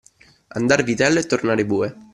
Andar vitello e tornare bue.